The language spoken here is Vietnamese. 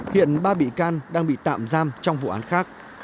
hiện ba bị can đang bị tạm giam trong vụ án khác